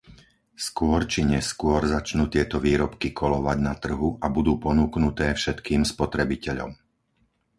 Skôr či neskôr začnú tieto výrobky kolovať na trhu a budú ponúknuté všetkým spotrebiteľom.